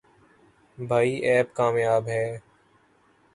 بھائی ایپ کامیاب ہے۔